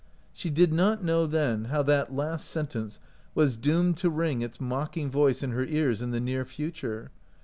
She did not know then how that last sentence was doomed to ring its mocking voice in her ears in the near future.